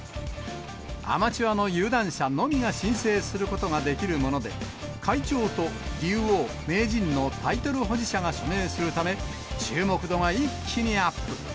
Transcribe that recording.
アマチュアの有段者のみが申請することができるもので、会長と竜王、名人のタイトル保持者が署名するため、注目度が一気にアップ。